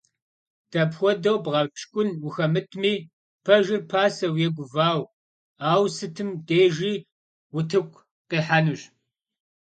Dapxuedeu bğepşk'un vuxemıtmi pejjır paseu yê guvaue, aue sıtım dêjji vutıku khihenuş.